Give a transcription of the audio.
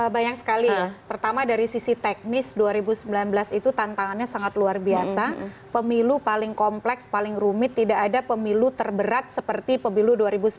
banyak sekali pertama dari sisi teknis dua ribu sembilan belas itu tantangannya sangat luar biasa pemilu paling kompleks paling rumit tidak ada pemilu terberat seperti pemilu dua ribu sembilan belas